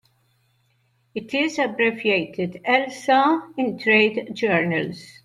It is abbreviated Elsa in trade journals.